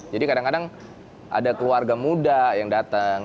jadi kadang kadang ada keluarga muda yang datang